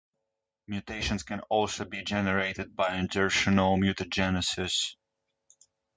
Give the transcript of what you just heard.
Mutations can also be generated by insertional mutagenesis.